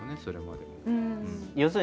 それまでも。